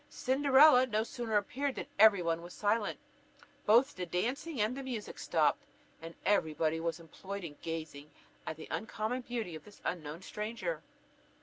Cinderella no sooner appeared than every one was silent; both the dancing and the music stopped, and every body was employed in gazing at the uncommon beauty of this unknown stranger.